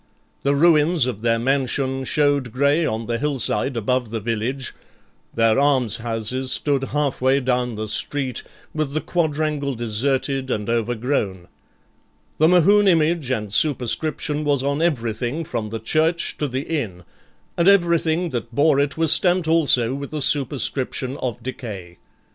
The ruins of their mansion showed grey on the hillside above the village; their almshouses stood half way down the street, with the quadrangle deserted and overgrown; the Mohune image and superscription was on everything from the church to the inn, and everything that bore it was stamped also with the superscription of decay.